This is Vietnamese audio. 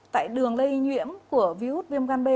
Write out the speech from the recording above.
tại đường lây nhuyễm của virus viêm gan b